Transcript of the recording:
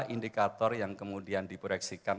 indikator yang kemudian diporeksikan